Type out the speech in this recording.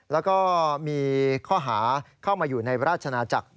แล้วก็มีข้อหาเข้ามาอยู่ในราชนาจักร